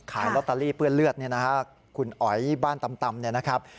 ขายลอตเตอรี่เปื้อนเลือดคุณอ๋อยบ้านตำนะครับ